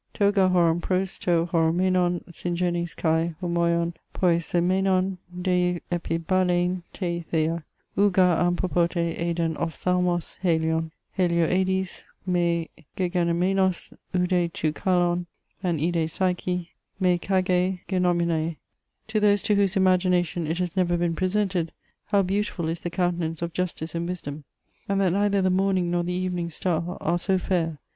To gar horon pros to horomenon syngenes kai homoion poiaesamenon dei epiballein tae thea, ou gar an popote eiden ophthalmos haelion, haelioeidaes mae gegenaemenos oude to kalon an idae psychae, mae kagae genomenae to those to whose imagination it has never been presented, how beautiful is the countenance of justice and wisdom; and that neither the morning nor the evening star are so fair.